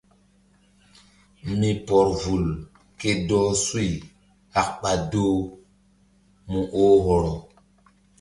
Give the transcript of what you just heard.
Mi pɔr vul ke dɔh suy hak ɓa doh mu oh hɔrɔ.